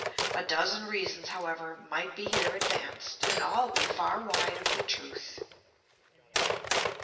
A dozen reasons, however, might be here advanced, and all be far wide of the truth.